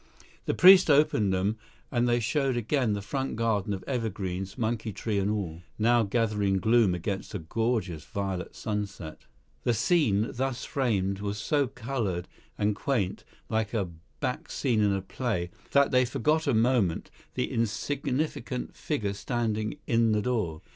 The priest opened them, and they showed again the front garden of evergreens, monkey tree and all, now gathering gloom against a gorgeous violet sunset. The scene thus framed was so coloured and quaint, like a back scene in a play, that they forgot a moment the insignificant figure standing in the door.